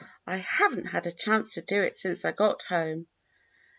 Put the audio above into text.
I have n't had a chance to do it since I got home."